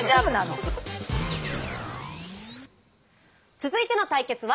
続いての対決は。